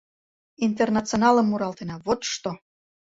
«Интернационалым» муралтена, вот што!!!